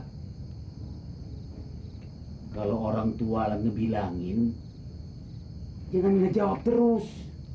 hai kalau orangtua ngebilangin jangan ngejawab terus